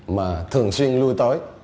mà thường xuyên lưu tối